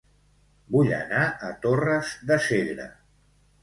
Vull anar a Torres de Segre